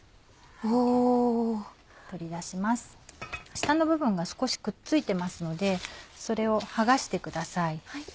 下の部分が少しくっついてますのでそれを剥がしてください。